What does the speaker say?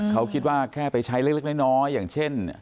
เขาคิดว่าแค่ไปใช้เล็กน้อยอย่างเช่น